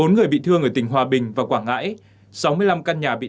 bốn người bị thương ở tỉnh hòa bình và quảng ngãi